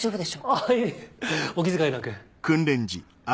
あぁいえお気遣いなく。